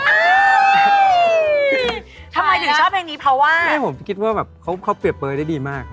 ทำไมถึงชอบเพลงนี้เพราะว่าไม่ผมคิดว่าแบบเขาเปรียบเปลยได้ดีมาก